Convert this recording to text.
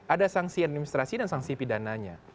ada sanksi administrasi dan sanksi pidananya